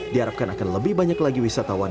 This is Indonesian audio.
diharapkan akan lebih banyak lagi wisatawan